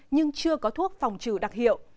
nhưng chưa có thuốc phòng trừ đặc hiệu